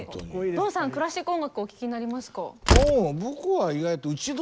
ドンさんはクラシック音楽お聴きになりますか？